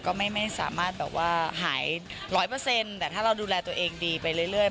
ก็ไม่สามารถแบบว่าหาย๑๐๐แต่ถ้าเราดูแลตัวเองดีไปเรื่อย